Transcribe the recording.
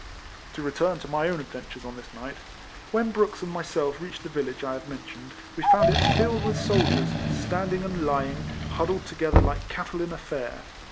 To return to my own adventures on this night. AVhen Brooks and myself reached the village I have mentioned, we found it filled with soldiers, standing and lying, huddled together like cattle in a fair.